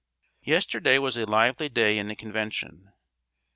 Yesterday was a lively day in the Convention.